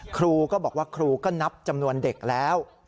ครูก็บอกว่าครูก็นับจำนวนเด็กแล้ว